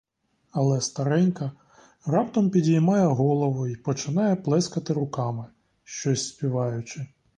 Але старенька раптом підіймає голову й починає плескати руками, щось співаючи.